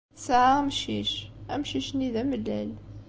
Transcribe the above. Tesɛa amcic. Amcic-nni d amellal.